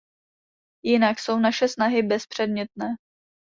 Jinak jsou naše snahy bezpředmětné.